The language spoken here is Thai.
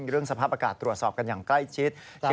เรื่องสภาพอากาศตรวจสอบกันอย่างใกล้ชิด